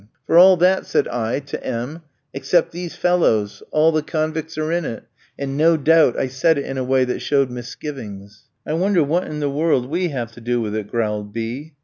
"For all that," said I to M tski, "except these fellows, all the convicts are in it," and no doubt I said it in a way that showed misgivings. "I wonder what in the world we have to do with it?" growled B